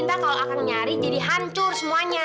ntar kalau akang nyari jadi hancur semuanya